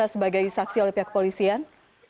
apakah mereka juga diperiksa sebagai saksi oleh pihak polisian